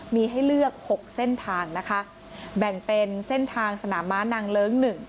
มีให้เลือก๖เส้นทางนะคะแบ่งเป็นเส้นทางสนามม้านางเลิ้ง๑